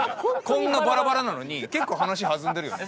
こんなバラバラなのに結構話弾んでるよね。